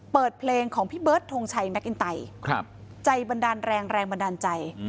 เปิดเพลงของพี่เบิร์ดทงชัยแมคอินไตใจบันดาลแรงแรงบันดาลใจ